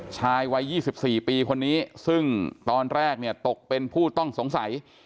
ชายวัย๒๔ปีคนนี้ซึ่งตอนแรกเนี่ยตกเป็นผู้ต้องสงสัย